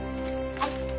はい。